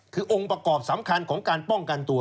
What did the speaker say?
คือองค์ประกอบสำคัญของการป้องกันตัว